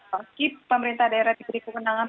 meskipun pemerintah daerah diberi kebenangan